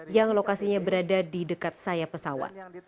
yang lokasinya berada di dekat sayap pesawat